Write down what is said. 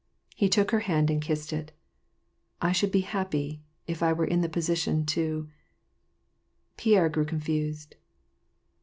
He took her hand and kissed it. " I should be happy, if I were in the position to" — Pierre grew I "infused.